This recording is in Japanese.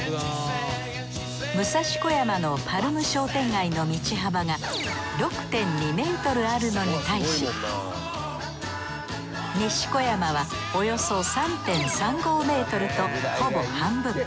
武蔵小山のパルム商店街の道幅が６．２ｍあるのに対し西小山はおよそ３．３５ｍとほぼ半分。